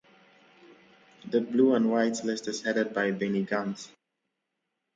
The Blue and White list is headed by Benny Gantz.